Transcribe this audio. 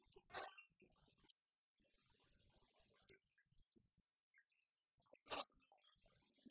ทั้งลูกใจที่เขาทุกคนรับและเห็นความคิดว่าไม่ใช่ได้